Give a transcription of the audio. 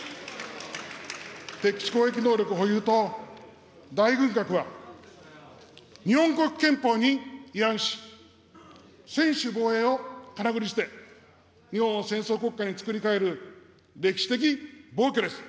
敵基地攻撃能力の保有と大軍拡は、日本国憲法に違反し、専守防衛をかなぐり捨て、日本を戦争国家に作り替える歴史的暴挙です。